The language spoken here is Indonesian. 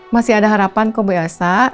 masih ada harapan ke bu elsa